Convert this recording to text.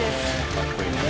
かっこいいね。